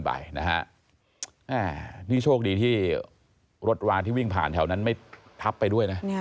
เชิญเลยจะนี่โชคดีที่รถร้านที่วิ่งผ่านแถวนั้นไม่ทับไปด้วย